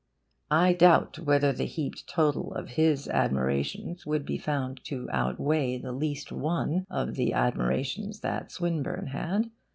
I doubt whether the heaped total of his admirations would be found to outweigh the least one of the admirations that Swinburne had.